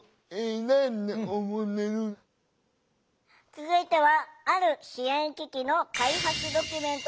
続いてはある支援機器のドキュメント！？